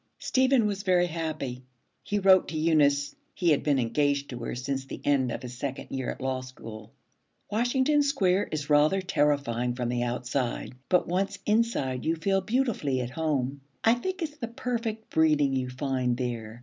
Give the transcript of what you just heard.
Stephen was very happy. He wrote to Eunice, he had been engaged to her since the end of his second year at the Law School, 'Washington Square is rather terrifying from the outside, but once inside you feel beautifully at home. I think it's the perfect breeding you find there.